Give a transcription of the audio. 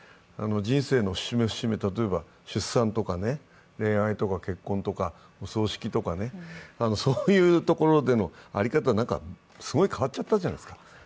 人生の節目節目、例えば出産とか恋愛とか結婚とか、お葬式とか、そういうところでの在り方、何か、すごい変わっちゃったじゃないですか。